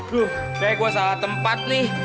duh kayaknya gue salah tempat nih